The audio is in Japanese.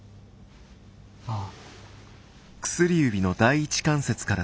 ああ。